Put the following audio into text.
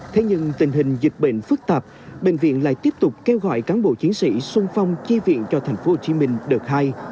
thế nhưng tình hình dịch bệnh phức tạp bệnh viện lại tiếp tục kêu gọi cán bộ chiến sĩ sung phong chi viện cho tp hcm đợt hai